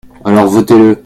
Alors votez-le.